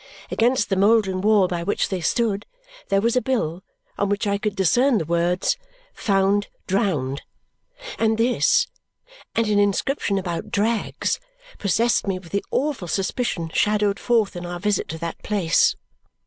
Against the mouldering wall by which they stood, there was a bill, on which I could discern the words, "Found Drowned"; and this and an inscription about drags possessed me with the awful suspicion shadowed forth in our visit to that place.